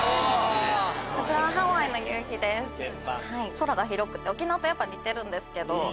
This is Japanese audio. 空が広くて沖縄と似てるんですけど。